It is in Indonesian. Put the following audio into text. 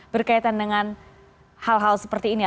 berkaitan dengan hal hal lainnya